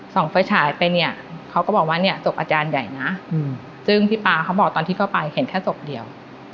ไฟฉายไปเนี่ยเขาก็บอกว่าเนี่ยศพอาจารย์ใหญ่นะซึ่งพี่ป๊าเขาบอกตอนที่เข้าไปเห็นแค่ศพเดียว